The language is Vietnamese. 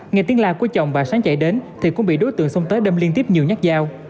nghe tiếng la của chồng bà sáng chạy đến thì cũng bị đối tượng xông tới đâm liên tiếp nhiều nhát dao